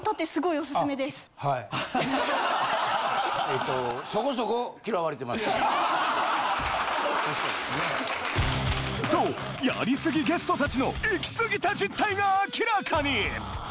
えっと。とやりすぎゲスト達の行き過ぎた実態が明らかに！